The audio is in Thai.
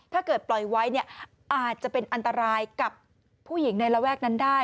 ถ้าเกิดปล่อยไว้เนี่ยอาจจะเป็นอันตรายกับผู้หญิงในระแวกนั้นได้